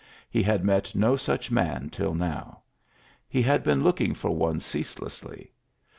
£ had met no such man till now. He h; been looking for one ceaselessly.